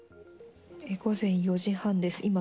午前４時半です。